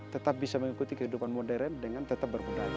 tetap bisa mengikuti kehidupan modern dengan tetap berbudaya